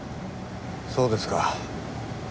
そうですか。